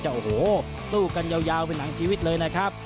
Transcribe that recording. โอ้โหสู้กันยาวเป็นหนังชีวิตเลยนะครับ